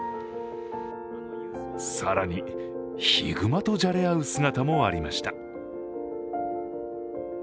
更に、ヒグマとじゃれ合う姿もありました。